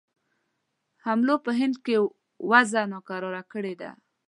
حملو په هند کې وضع ناکراره کړې ده.